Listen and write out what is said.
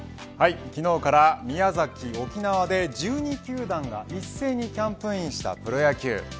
昨日から宮崎、沖縄で１２球団が一斉にキャンプインしたプロ野球。